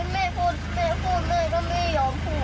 แม่พูดแม่ก็ไม่ยอมพูด